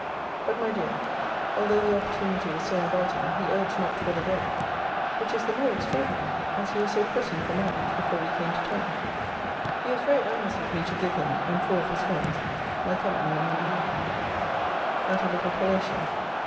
But, my dear, although the opportunity was so inviting, he urged not for the day. Which is the more extraordinary, as he was so pressing for marriage before we came to town. He was very earnest with me to give him, and four of his friends, my company on Monday evening, at a little collation.